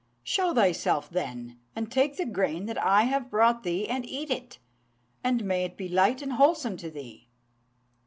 Show thyself, then, and take the grain that I have brought thee and eat it, and may it be light and wholesome to thee.'